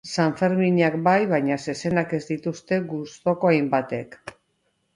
Sanferminak bai baina zezenak ez dituzte gustuko hainbatek.